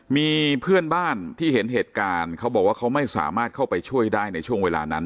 มีเพื่อนบ้านที่เห็นเหตุการณ์เขาบอกว่าเขาไม่สามารถเข้าไปช่วยได้ในช่วงเวลานั้น